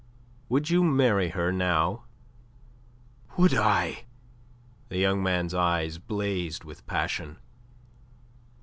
Would you marry her now?" "Would I?" The young man's eyes blazed with passion.